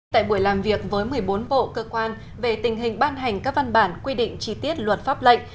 tại buổi làm việc với một mươi bốn bộ cơ quan về tình hình ban hành các văn bản quy định chi tiết luật pháp lệnh